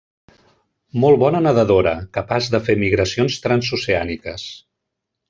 Molt bona nedadora, capaç de fer migracions transoceàniques.